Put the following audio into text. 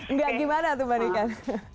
nggak gimana tuh mbak niken